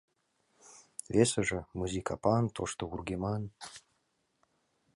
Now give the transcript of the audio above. Весыже — мызи капан, тошто вургеман.